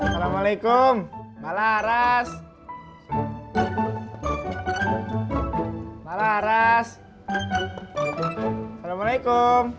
sari kata dari sdi media